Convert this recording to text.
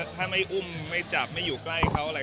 ถ้าไม่อุ้มไม่จับไม่อยู่ใกล้เขาอะไร